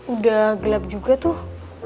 udah gelap juga tuh